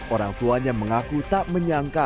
orang tuanya mengaku tak menyangka